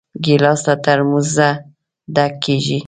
ګیلاس له ترموزه ډک کېږي.